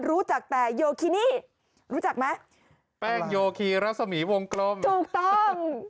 รู้จักแต่โยคินีรู้จักไหมแป้งโยคีรัศมีวงกลมถูกต้อง